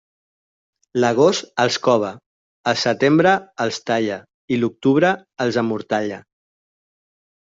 L'agost els cova, el setembre els talla i l'octubre els amortalla.